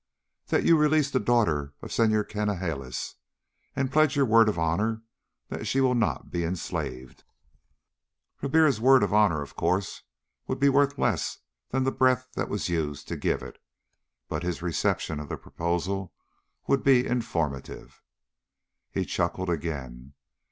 "That you release the daughter of the Senhor Canalejas and pledge your word of honor that she will not be enslaved." Ribiera's word of honor, of course, would be worth rather less than the breath that was used to give it. But his reception of the proposal would be informative. He chuckled again.